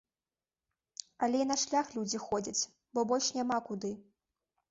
Але і на шлях людзі ходзяць, бо больш няма куды.